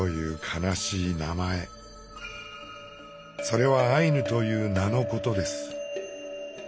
それは「アイヌ」という名のことです。